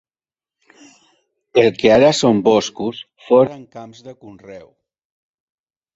El que ara són boscos foren camps de conreu.